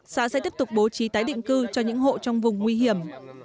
xã sẽ tiếp tục bố trí tái định cư cho những hộ trong vùng nguy hiểm